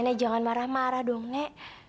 nek jangan marah marah dong nek